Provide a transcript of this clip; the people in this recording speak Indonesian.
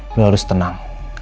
lo harus tenang